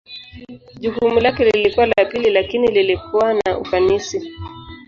Jukumu lake lilikuwa la pili lakini lilikuwa na ufanisi.